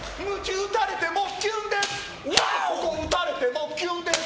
打たれてもキュンです！